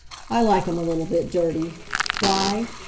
I like 'em a little bit dirty. Why?